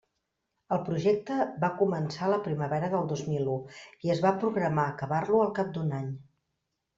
El projecte va començar la primavera del dos mil u, i es va programar acabar-lo al cap d'un any.